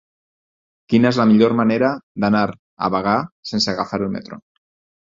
Quina és la millor manera d'anar a Bagà sense agafar el metro?